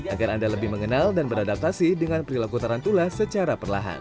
agar anda lebih mengenal dan beradaptasi dengan perilaku tarantula secara perlahan